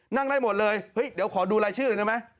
นั่งได้หมดเลยเฮ้ยเดี๋ยวขอดูรายชื่อได้ไหม